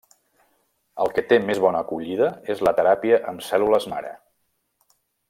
El que té més bona acollida és la teràpia amb cèl·lules mare.